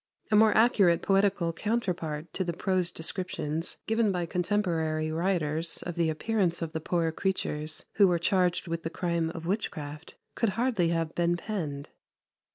A more accurate poetical counterpart to the prose descriptions given by contemporary writers of the appearance of the poor creatures who were charged with the crime of witchcraft could hardly have been penned.